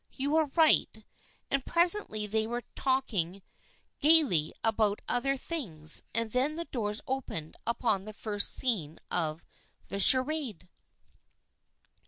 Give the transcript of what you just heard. " You are right." And presently they were talking gaily about other things, and then the doors opened upon the first scene of the charade.